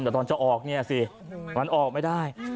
แต่ตอนจะออกเนี่ยสิมันออกไม่ได้